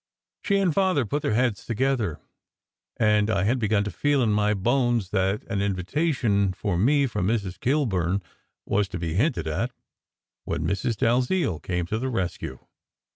She and Father put their heads together, and I had begun to feel in my bones that an invitation for me from Mrs. Kilburn was to be hinted at, when Mrs. Dalziel came to the rescue.